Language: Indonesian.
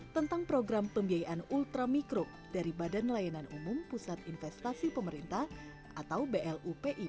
tentang program pembiayaan ultramikro dari badan layanan umum pusat investasi pemerintah atau blupi